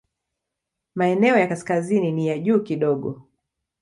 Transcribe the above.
Maeneo ya kaskazini ni ya juu kidogo.